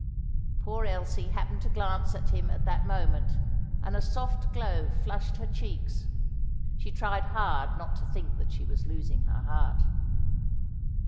Poor Elsie happened to glance at him at that moment, and a soft glow flushed her cheeks. She tried hard not to think that she was losing her heart.